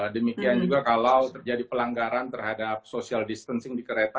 demikian juga kalau terjadi pelanggaran terhadap social distancing di kereta